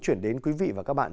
chuyển đến quý vị và các bạn